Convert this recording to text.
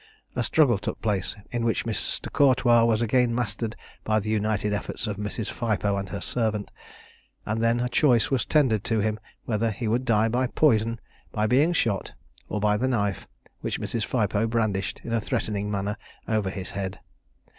A struggle took place, in which Mr. Cortois was again mastered by the united efforts of Mrs. Phipoe and her servant; and then a choice was tendered to him whether he would die by poison, by being shot, or by the knife which Mrs. Phipoe brandished in a threatening manner over his head.